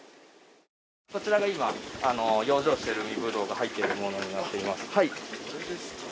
こちらが今、養生している海ぶどうが入っているものになります。